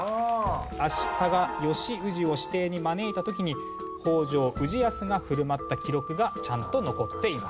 足利義氏を私邸に招いた時に北条氏康が振る舞った記録がちゃんと残っています。